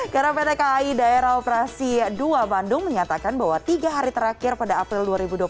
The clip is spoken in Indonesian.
karena pt kai daerah operasi dua bandung menyatakan bahwa tiga hari terakhir pada april dua ribu dua puluh satu